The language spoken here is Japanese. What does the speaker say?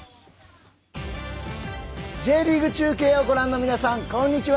Ｊリーグ中継をご覧の皆さん、こんにちは。